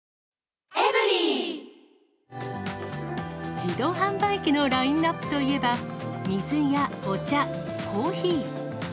自動販売機のラインナップといえば、水やお茶、コーヒー。